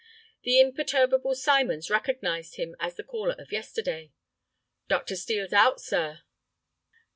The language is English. The imperturbable Symons recognized him as the caller of yesterday. "Dr. Steel's out, sir."